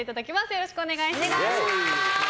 よろしくお願いします。